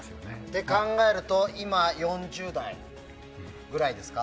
そう考えると今、４０代ぐらいですか？